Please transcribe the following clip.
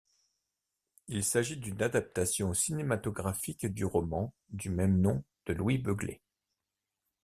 Il s'agit d'une adaptation cinématographique du roman du même nom de Louis Begley.